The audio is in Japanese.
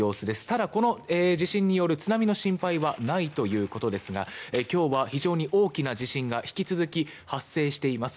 ただ、この地震による津波の心配はないということですが今日は非常に大きな地震が引き続き発生しています。